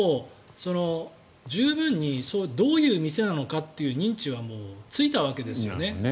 十分にどういう店なのかという認知はもうついたわけですよね。